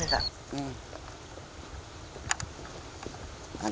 うん。